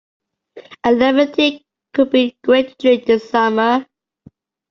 A lemon tea could be great to drink this summer.